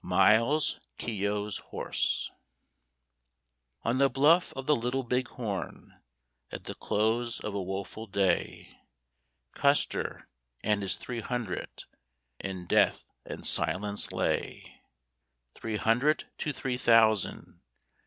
MILES KEOGH'S HORSE On the bluff of the Little Big Horn, At the close of a woful day, Custer and his Three Hundred In death and silence lay. Three Hundred to Three Thousand!